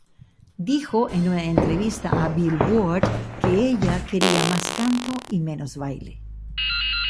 Dijo en una entrevista a "Billboard" que ella quería mas canto y menos baile.